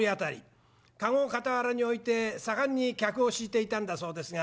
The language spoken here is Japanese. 駕籠を傍らに置いて盛んに客を引いていたんだそうですが。